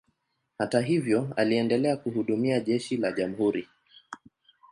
Hata hivyo, aliendelea kuhudumia jeshi la jamhuri.